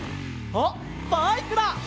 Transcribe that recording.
あっバイクだ！